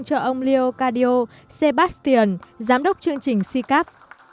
cho ông leo cardio sebastian giám đốc chương trình sicap